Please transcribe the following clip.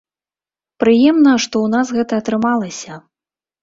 Прыемна, што ў нас гэта атрымалася.